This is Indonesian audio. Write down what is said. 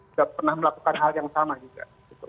sudah pernah melakukan hal yang sama juga